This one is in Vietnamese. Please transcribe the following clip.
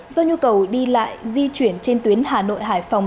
do nhu cầu đi lại di chuyển trên tuyến hà nội hải phòng